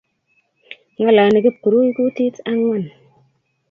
Ngalali Kipkurui kutit angwan